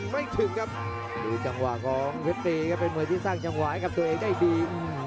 ไม่ถึงครับดูจังหวะของเพชรตีครับเป็นมวยที่สร้างจังหวะให้กับตัวเองได้ดี